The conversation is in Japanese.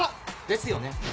ですよね